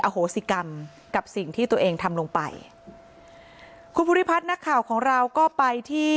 โหสิกรรมกับสิ่งที่ตัวเองทำลงไปคุณภูริพัฒน์นักข่าวของเราก็ไปที่